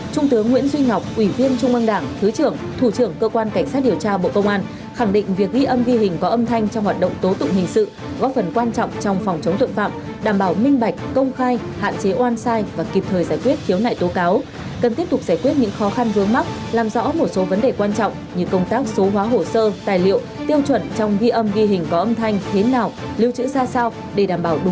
trung tướng nguyễn duy ngọc ủy viên trung ương đảng thứ trưởng thủ trưởng cơ quan cảnh sát điều tra bộ công an khẳng định việc ghi âm ghi hình có âm thanh trong hoạt động tố tụng hình sự